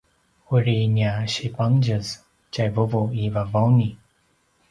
uri nia sipangtjez tjai vuvu i Vavauni